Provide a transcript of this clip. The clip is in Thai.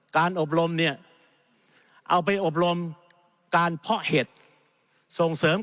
การอบรมเนี่ยเอาไปอบรมการเพาะเห็ดส่งเสริม